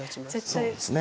そうですね。